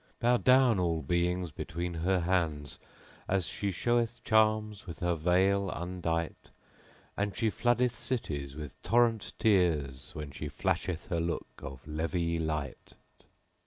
Bow down all beings between her hands * As she showeth charms with her veil undight. And she floodeth cities[FN#13] with torrent tears * When she flasheth her look of leven light.